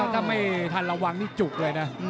ถ้าไม่ทันระวังนี่จุกเลยนะ